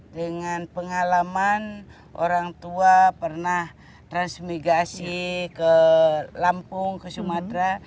dengan pengalaman orang tua pernah transmigrasi ke lampung ke sumatera